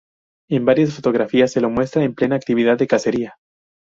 En varias fotografías se lo muestra en plena actividad de cacería.